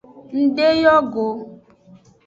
Ndeyo go.